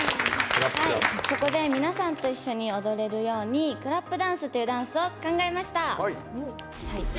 そこで皆さんと一緒に踊れるようにクラップダンスという振り付けを考えました。